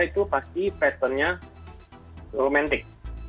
itu pasti patternnya romantic